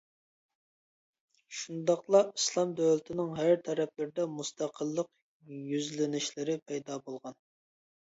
شۇنداقلا ئىسلام دۆلىتىنىڭ ھەر تەرەپلىرىدە مۇستەقىللىق يۈزلىنىشلىرى پەيدا بولغان.